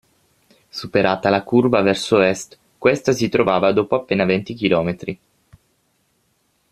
Superata la curva verso Est, questa si trovava dopo appena venti chilometri.